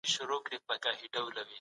د دیني ازادۍ نه شتون شخړې رامنځته کوي.